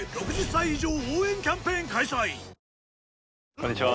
こんにちは。